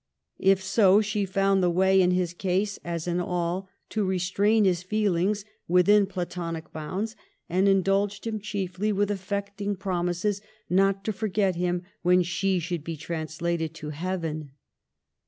If so, she found the way in his case, as in all, to restrain his feelings within platonic bounds, and indulged him chiefly with affecting promises not to forget him when she should be translated to heaven.